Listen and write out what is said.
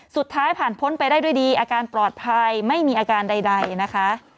สุดท้ายผ่านพ้นไปได้ด้วยดีอาการปลอดภัยไม่มีอาการใดนะคะ